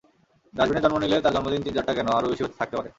ডাস্টবিনে জন্ম নিলে তার জন্মদিন তিন-চারটা কেন, আরও বেশিও থাকতে পারে।